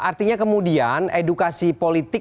artinya kemudian edukasi politik